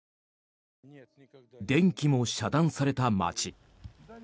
電気も遮断された街。